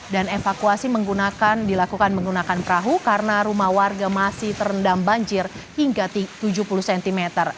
dan evakuasi dilakukan menggunakan perahu karena rumah warga masih terendam banjir hingga tujuh puluh cm